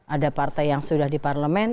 ada partai yang sudah di parlemen